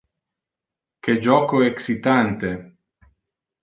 Que joco excitante!